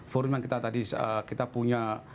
forum yang kita tadi kita punya